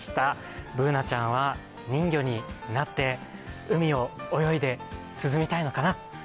Ｂｏｏｎａちゃんは人魚になって海を泳いで涼みたいのかな。